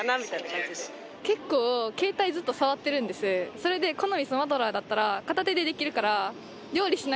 それでこの味噌マドラーだったら片手でできるから。